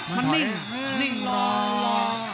มันนิ่งนิ่งร้องร้อง